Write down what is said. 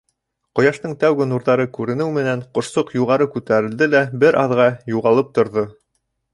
Ҡояштың тәүге нурҙары күренеү менән, ҡошсоҡ юғары күтәрелде лә бер аҙға юғалып торҙо.